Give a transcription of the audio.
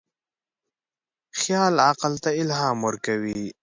خیال عقل ته الهام ورکوي.